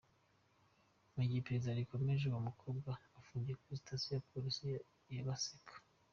Mu gihe iperereza rikomeje, uwo mukobwa afungiye kuri sitasiyo ya Polisi ya Gasaka.